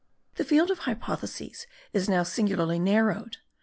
The field of hypotheses is now singularly narrowed.